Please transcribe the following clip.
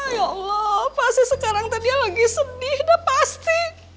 ya allah pasti sekarang tadi lagi sedih dah pasti